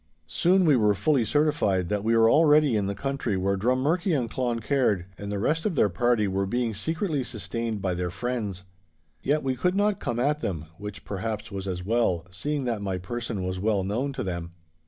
Soon we were fully certified that we were already in the country where Drummurchie and Cloncaird and the rest of their party were being secretly sustained by their friends. Yet we could not come at them, which perhaps was as well, seeing that my person was well known to them.